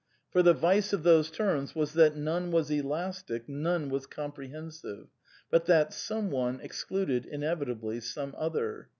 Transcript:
For the vice of those terms was that none was elaatic, none was comprehensive; but that some one excluded,; inevitably, some other.